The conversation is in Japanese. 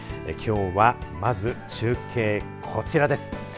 きょうは、まず中継です。